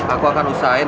aku akan usahain